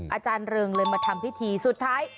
อาจารย์เริงเลยมาทำพิธีสุดท้าย